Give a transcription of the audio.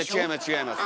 違います。